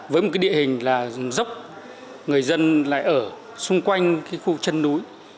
với một cái địa hình là dốc người dân lại ở xung quanh cái khu chân núi